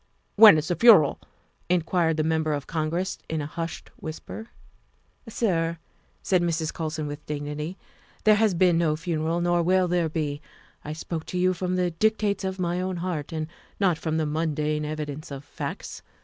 '' When is the funeral ?'' inquired the Member of Congress in a hushed whisper. " Sir," said Mrs. Colson with dignity, " there has been no funeral, nor will there be. I spoke to you from the dictates of my own heart and not from the mundane evidence of facts.